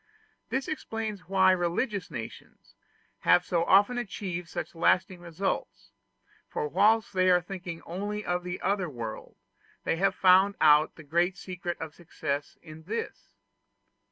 This explains why religious nations have so often achieved such lasting results: for whilst they were thinking only of the other world, they had found out the great secret of success in this.